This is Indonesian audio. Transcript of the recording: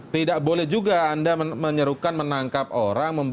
tidak boleh juga anda menyerukan menangkap orang